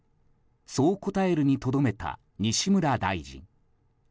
そう答えるにとどめた西村大臣。